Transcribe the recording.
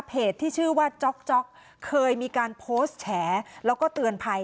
ที่ชื่อว่าจ๊อกจ๊อกเคยมีการโพสต์แฉแล้วก็เตือนภัย